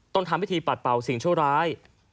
ทำพิธีปัดเป่าสิ่งชั่วร้าย